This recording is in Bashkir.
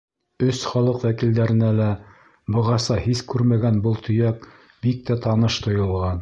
Өс халыҡ вәкилдәренә лә бығаса һис күрмәгән был төйәк бик тә таныш тойолған.